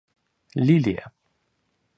Лилия